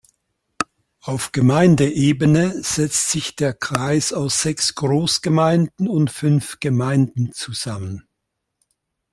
Auf Gemeindeebene setzt sich der Kreis aus sechs Großgemeinden und fünf Gemeinden zusammen.